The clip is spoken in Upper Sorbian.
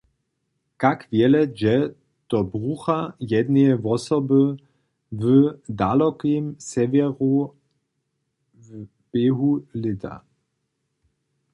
Kak wjele dźe do brjucha jedneje wosoby w dalokim sewjeru w běhu lěta?